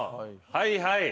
「はいはい」